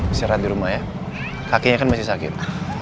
isi rahat di rumah ya kakinya kan masih sakit